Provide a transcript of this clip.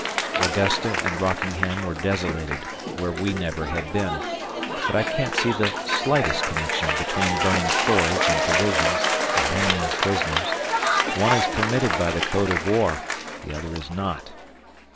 Augusta and Rockingham were desolated, where we never had been. But I can't see the slightest connection between burning forage and provisions and hanging prisoners. One is permitted by the code of war; the other is not.